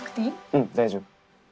うん大丈夫。